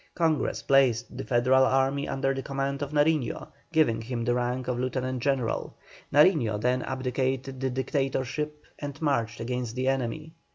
Congress placed the Federal army under the command of Nariño, giving him the rank of lieutenant general. Nariño then abdicated the dictatorship and marched against the enemy.